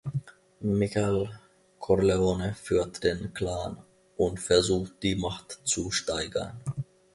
Michael Corleone führt den Clan und versucht die Macht zu steigern.